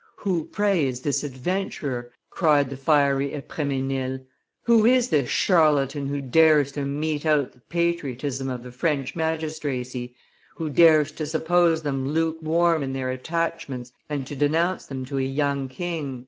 "Who, pray, is this adventurer," cried the fiery Epremesnil, "who is this charlatan who dares to mete out the patriotism of the French magistracy, who dares to suppose them lukewarm in their attachments and to denounce them to a young king?"